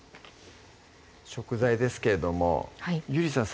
食材ですけれどもゆりさん